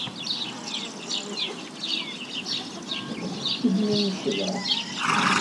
Kemmlem ccḍeḥ.